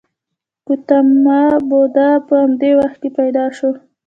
ګوتاما بودا په همدې وخت کې پیدا شو.